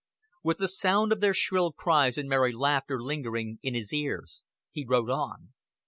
With the sound of their shrill cries and merry laughter lingering in his ears he rode on.